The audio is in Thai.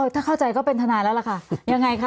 ถ้าเข้าใจก็เป็นทนายแล้วล่ะค่ะยังไงคะ